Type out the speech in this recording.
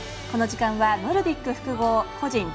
この時間はノルディック複合個人